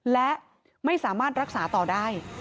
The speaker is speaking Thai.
และไม่สามารถรักษาต่อได้